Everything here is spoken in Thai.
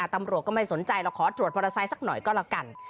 ตำรวจก็ไม่สนใจหรอกขอตรวจมอเตอร์ไซค์สักหน่อยก็แล้วกัน